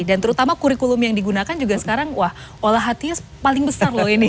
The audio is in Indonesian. dan terutama kurikulum yang digunakan juga sekarang wah olah hatinya paling besar loh ini